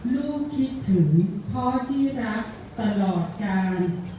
ลูกคิดถึงพ่อที่รักตลอดกัน